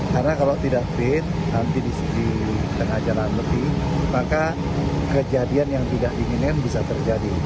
karena kalau tidak fit nanti di tengah jalan mudik maka kejadian yang tidak diinginkan bisa terjadi